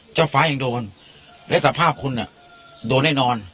เจ้าฟ้ายังโดนและสภาพคุณโดนแน่นอน